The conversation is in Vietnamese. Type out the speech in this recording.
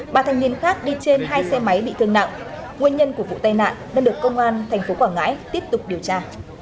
ba thanh niên khác đi trên hai xe máy bị thương nặng nguyên nhân của vụ tai nạn đang được công an tp quảng ngãi tiếp tục điều tra